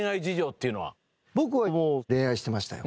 僕はもう恋愛してましたよ。